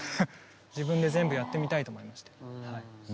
自分で全部やってみたいと思いましてはい。